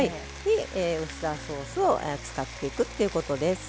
ウスターソースを使っていくということです。